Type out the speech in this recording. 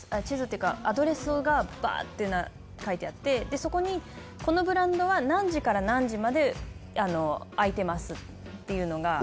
地図っていうか、アドレスがばーって書いてあって、そこに、このブランドは何時から何時まで空いてますっていうのが。